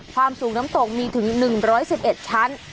ความสูงน้ำตกมีถึง๑๑๑ชั้น